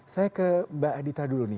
saya ke mbak adita dulu nih